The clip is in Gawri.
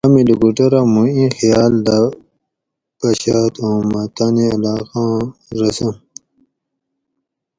امی لوکوٹورہ موں ایں خیال دہ پشاۤت اُوں مہ تانی علاقہ آں رسم